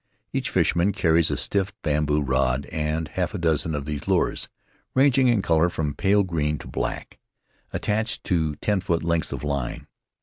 Each fisherman carries a stiff bamboo rod and half a dozen of these lures — ranging in color from pale green to black — attached to ten foot lengths of line.